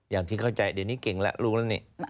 อย่างที่เข้าใจเดี๋ยวนี้เก่งแล้วรู้แล้วนี่